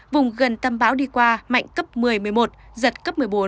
vùng gần tâm bão đi qua mạnh cấp một mươi một mươi một giật cấp một mươi bốn